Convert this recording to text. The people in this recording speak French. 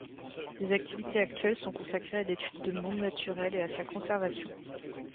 Les activités actuelles sont consacrées à l’étude de monde naturelle et à sa conservation.